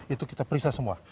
itu kita periksa semua